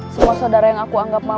semua saudara yang aku anggap